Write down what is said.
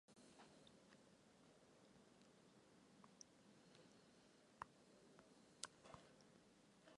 他的发球和上网被公认为网球史上最优雅之一。